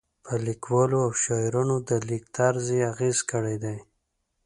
په لیکوالو او شاعرانو د لیک طرز یې اغېز کړی دی.